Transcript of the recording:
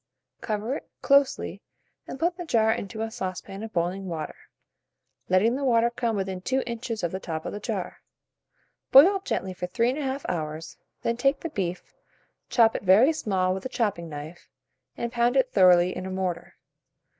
Cover it closely, and put the jar into a saucepan of boiling water, letting the water come within 2 inches of the top of the jar. Boil gently for 3 1/2 hours, then take the beef, chop it very small with a chopping knife, and pound it thoroughly in a mortar.